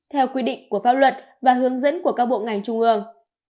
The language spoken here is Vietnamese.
theo quy định của pháp luật và hướng dẫn của các bộ ngành trung ương